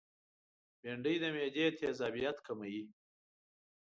بېنډۍ د معدې تيزابیت کموي